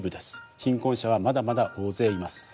貧困者はまだまだ大勢います。